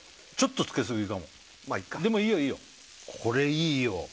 ちょっとつけすぎかもまあいっかでもいいよいいよ